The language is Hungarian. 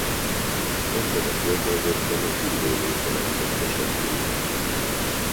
Ebben a környezetben a túlélés a legfontosabb tényező.